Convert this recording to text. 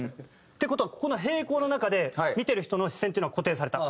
って事はここの平行の中で見てる人の視線っていうのは固定された。